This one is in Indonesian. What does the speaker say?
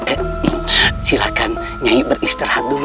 eh silahkan nyai beristirahat dulu